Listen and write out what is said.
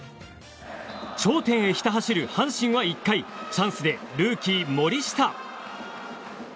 頂点へひた走る阪神は１回チャンスでルーキー、森下。